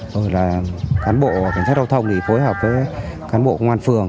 rồi là cán bộ kiểm soát đau thông phối hợp với cán bộ công an phường